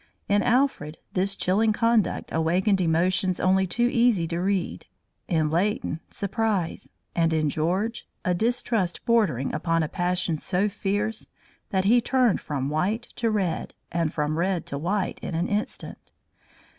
In Alfred this chilling conduct awakened emotions only too easy to read; in Leighton, surprise, and in George, a distrust bordering upon a passion so fierce that he turned from white to red and from red to white in an instant.